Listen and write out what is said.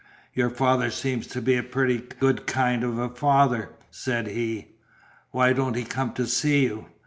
"Your father seems to be a pretty good kind of a father," said he. "Why don't he come to see you?"